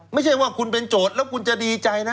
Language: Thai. ไม่ใช่ว่าคุณเป็นโจทย์แล้วคุณจะดีใจนะ